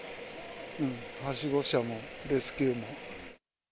はしご車も、レスキューも。